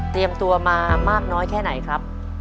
เตรียมตัวมามากน้อยแค่ไหนครับ